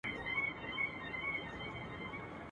که ما غواړی درسره به یم یارانو.